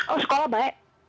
oh sekolah baik